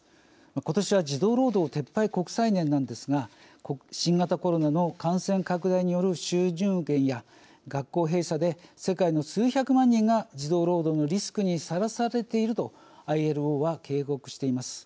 今年は児童労働撤廃国際年なんですが新型コロナの感染拡大による収入減や学校閉鎖で世界の数百万人が児童労働のリスクにさらされているとＩＬＯは警告しています。